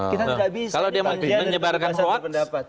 kalau dia menyebarkan hoax